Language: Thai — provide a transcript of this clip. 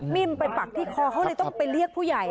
่มไปปักที่คอเขาเลยต้องไปเรียกผู้ใหญ่